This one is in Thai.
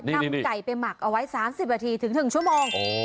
นำไก่ไปหมักเอาไว้๓๐นาทีถึง๑ชั่วโมง